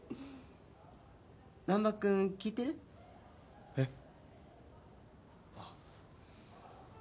難破君聞いてる？えっ？ああ。